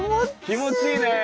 気持ちいいね！